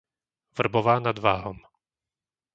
Vrbová nad Váhom